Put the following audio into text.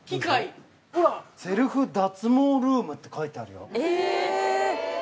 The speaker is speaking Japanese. セルフ脱毛ルームって書いてあるよ